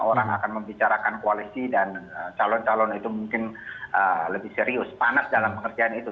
orang akan membicarakan koalisi dan calon calon itu mungkin lebih serius panas dalam pengertian itu